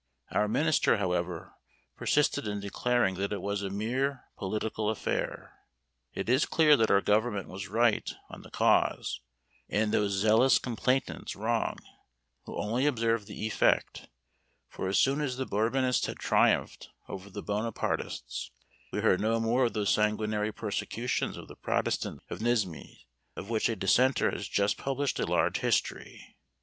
Our minister, however, persisted in declaring that it was a mere political affair. It is clear that our government was right on the cause, and those zealous complainants wrong, who only observed the effect; for as soon as the Bourbonists had triumphed over the Bonapartists, we heard no more of those sanguinary persecutions of the protestants of Nismes, of which a dissenter has just published a large history.